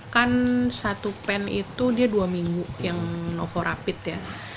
kan satu pen itu dia dua minggu yang novorapit ya